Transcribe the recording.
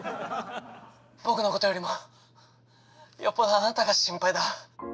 僕のことよりもよっぽどあなたが心配だ。